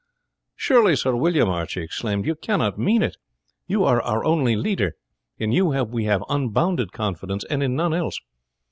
"Surely, Sir William," Archie exclaimed, "you cannot mean it. You are our only leader; in you we have unbounded confidence, and in none else.